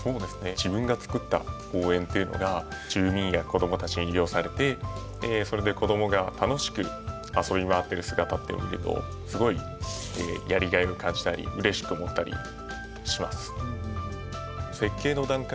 自分が作った公園っていうのが住民や子どもたちに利用されてそれで子どもが楽しく遊び回ってる姿っていうのを見るとすごいやりがいを感じたりうれしく思ったりします。